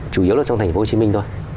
chủ yếu là trong thành phố hồ chí minh thôi